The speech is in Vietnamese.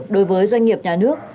đối với doanh nghiệp nhà nước